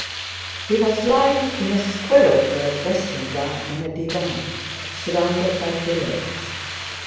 He was lying in a squirrel fur dressing gown on a divan, surrounded by pillows.